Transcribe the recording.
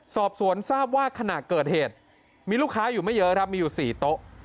สอบสวนทราบว่าขณะเกิดเหตุมีลูกค้าอยู่ไม่เยอะครับมีอยู่๔โต๊ะ